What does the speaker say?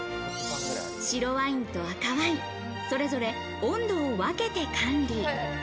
白ワインと赤ワイン、それぞれ温度を分けて管理。